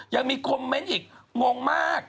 ยังมีคอมเมนต์อีกงงมาก